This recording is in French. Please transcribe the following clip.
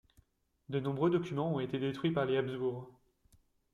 De nombreux documents ont été détruits par les Habsbourg.